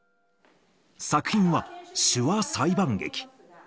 作品は手話裁判劇。